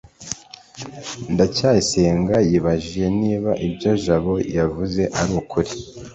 ndacyayisenga yibajije niba ibyo jabo yavuze ari ukuri